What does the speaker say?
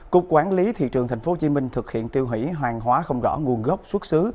cục quản lý thị trường tp hcm thực hiện tiêu hủy hàng hóa không rõ nguồn gốc xuất xứ